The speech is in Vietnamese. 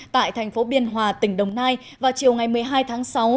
tại thành phố biên hòa tỉnh đồng nai vào chiều ngày một mươi hai tháng sáu